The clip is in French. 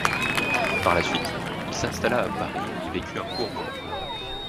Par la suite, il s'installa à Paris où il vécut un court moment.